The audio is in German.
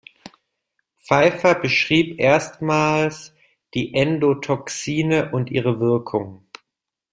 Pfeiffer beschrieb erstmals die Endotoxine und ihre Wirkung.